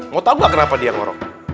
mau tau gak kenapa dia ngorok